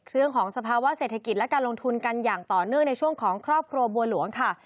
เรื่องของสภาวะเศรษฐกิจและการลงทุนกันอย่างต่อเนื่องในช่วงของครอบครัวบัวหลวงค่ะ